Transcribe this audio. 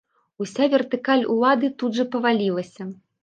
Уся вертыкаль улады тут жа павалілася.